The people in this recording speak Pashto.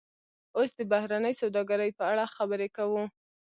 اوس د بهرنۍ سوداګرۍ په اړه خبرې کوو